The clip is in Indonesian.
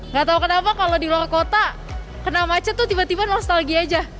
nggak tahu kenapa kalau di luar kota kena macet tuh tiba tiba nostalgia aja